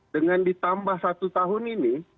dengan ditambah satu tahun ini